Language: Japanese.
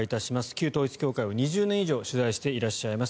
旧統一教会を２０年以上取材していらっしゃいます